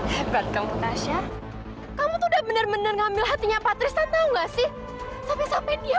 hebat kamu tasya kamu sudah bener bener ngambil hatinya patrissa tahu enggak sih sampai sampai dia